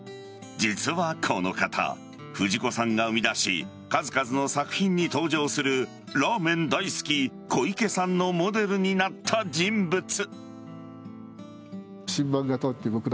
実はこの方藤子さんが生み出し数々の作品に登場するラーメン大好き小池さんのモデルになった人物。